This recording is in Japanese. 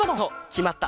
きまった！